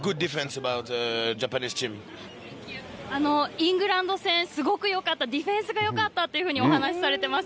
イングランド戦、すごくディフェンスがよかったと、お話しされてます。